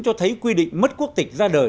cho thấy quy định mất quốc tịch ra đời